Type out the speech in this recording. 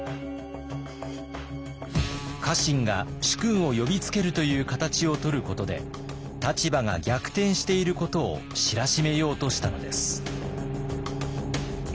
家臣が主君を呼びつけるという形をとることで立場が逆転していることを知らしめようとしたのです。